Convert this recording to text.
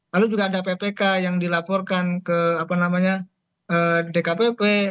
lalu juga ada ppk yang dilaporkan ke dkpp